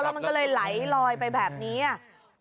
แล้วมันก็เลยไหลลอยไปแบบนี้อ่ะ